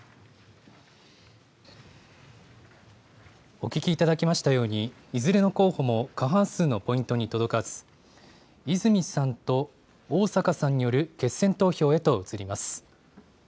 お聞きいただきましたように、いずれの候補も過半数のポイントに届かず、泉さんと逢坂さんによる決選投票へと移ります。